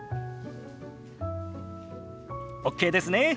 ＯＫですね。